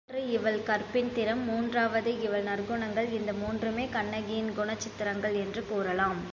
மற்றொன்று இவள் கற்பின் திறம் மூன்றாவது இவள் நற்குணங்கள் இந்த மூன்றுமே கண்ணகியின் குணச் சித்திரங்கள் என்று கூறலாம்.